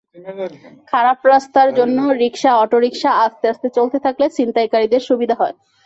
খারাপ রাস্তার জন্য রিকশা, অটোরিকশা আস্তে আস্তে চলতে থাকলে ছিনতাইকারীদের সুবিধা হয়।